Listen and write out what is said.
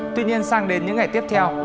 tuy nhiên sang đến những ngày tiếp theo